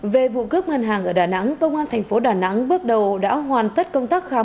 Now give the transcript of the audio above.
về vụ cướp ngân hàng ở đà nẵng công an thành phố đà nẵng bước đầu đã hoàn tất công tác khám